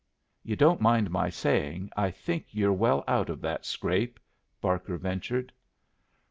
"You don't mind my saying I think you're well out of that scrape?" Barker ventured.